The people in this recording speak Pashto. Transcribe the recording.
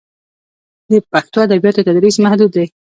د پښتو ادبیاتو تدریس محدود دی.